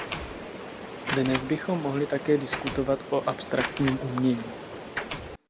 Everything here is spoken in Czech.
Dnes bychom mohli také diskutovat o abstraktním umění.